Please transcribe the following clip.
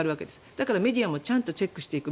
だからメディアがチェックしていく。